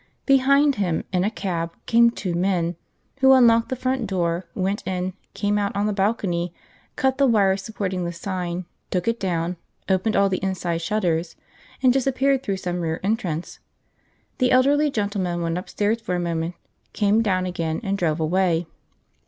Behind him, in a cab, came two men, who unlocked the front door, went in, came out on the balcony, cut the wires supporting the sign, took it down, opened all the inside shutters, and disappeared through some rear entrance. The elderly gentleman went upstairs for a moment, came down again, and drove away.